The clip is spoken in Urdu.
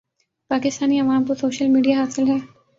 پاکستانی عوام کو سوشل میڈیا حاصل ہے